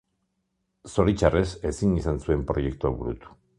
Zoritxarrez ezin izan zuen proiektua burutu.